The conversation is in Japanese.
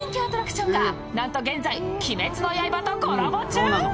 この大人気アトラクションがなんと現在、「鬼滅の刃」とコラボ中。